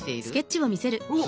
おっ！